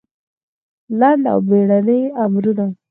لنډ او بېړني امرونه